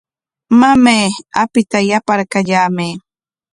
Mamay, apita yaparkallamay.